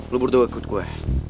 lu berdua ikut gue